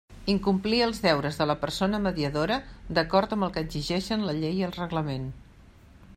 Incomplir els deures de la persona mediadora, d'acord amb el que exigeixen la Llei i el Reglament.